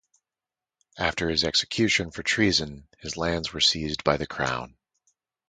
After his execution for treason, his lands were seized by the crown.